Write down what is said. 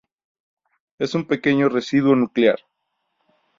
Es un pequeño residuo nuclear.